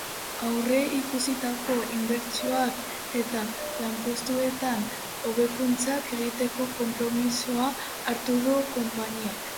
Aurreikusitako inbertsioak eta lanpostueta hobekuntzak egiteko konpromisoa hartu du konpainiak.